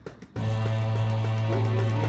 Xomede.